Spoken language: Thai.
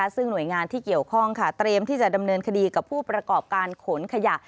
ซึ่งหน่วยงานที่เกี่ยวข้องเตรียมที่จะดำเนินคดีกับผู้ประกอบการขนขยะ